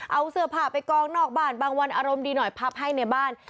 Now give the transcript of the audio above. เอาเสื้อผ้าไปกองนอกบ้านบางวันอารมณ์ดีหน่อยพับให้ในบ้าน